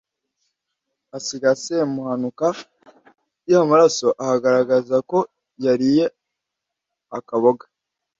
asiga semuhanuka ya maraso ahagaragaza ko yariye akaboga.